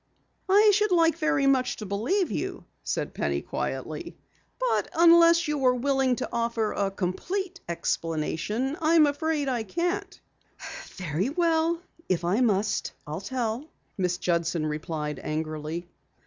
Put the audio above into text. "I should like very much to believe you," said Penny quietly. "But unless you are willing to offer a complete explanation, I am afraid I can't." "Very well, if I must, I'll tell," Miss Judson replied angrily.